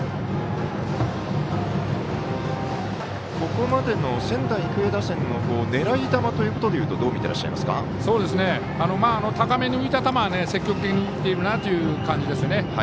ここまでの仙台育英打線の狙い球というと高めに浮いた球は積極的に打っていくなという感じですね。